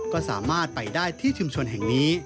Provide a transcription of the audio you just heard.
ก็สามารถไปได้ที่ชุมชนแห่งนี้